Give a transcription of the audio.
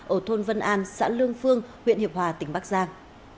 ở thôn vân an xã lương phương huyện hiệp hòa tỉnh bắc giang